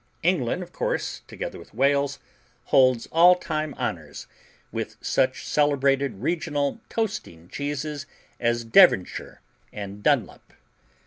England, of course, together with Wales, holds all time honors with such celebrated regional "toasting cheeses" as Devonshire and Dunlop.